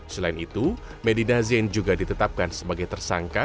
selain itu medida zain juga ditetapkan sebagai tersangka